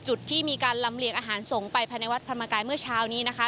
จุดที่มีการลำเลียงอาหารสงฆ์ไปภายในวัดพระธรรมกายเมื่อเช้านี้นะคะ